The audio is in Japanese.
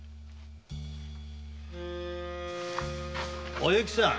お幸さん。